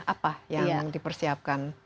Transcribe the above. apa yang dipersiapkan